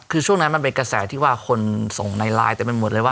คือช่วงนั้นมันเป็นกระแสที่ว่าคนส่งในไลน์เต็มไปหมดเลยว่า